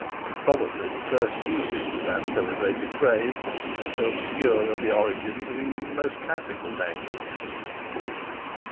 (Probably the first use of that celebrated phrase—so obscure are the origins of even the most classical language!)